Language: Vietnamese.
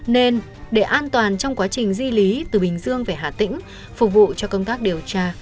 nên để an toàn trong quá trình di lý từ bình dương về hà tĩnh phục vụ cho công tác điều tra